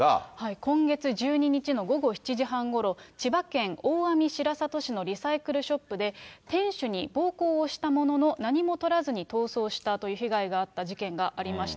今月１２日の午後７時半ごろ、千葉県大網白里市のリサイクルショップで、店主に暴行をしたものの、何もとらずに逃走したという被害があった事件がありました。